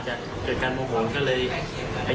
จึงเผยแพร่คลิปนี้ออกมา